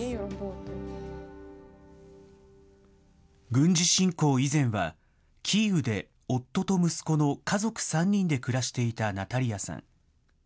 軍事侵攻以前は、キーウで夫と息子の家族３人で暮らしていたナタリアさん。